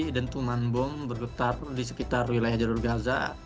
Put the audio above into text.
dan tuman bom bergetar di sekitar wilayah jalur gaza